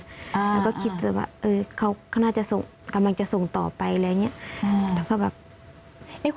แล้วก็คิดเกิดว่าเขาน่าจะส่งกำลังจะส่งต่อไปอะไรอย่างนี้